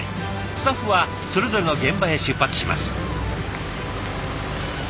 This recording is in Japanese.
スタッフはそれぞれの現場へ出発します。